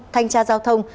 thanh tra giao thông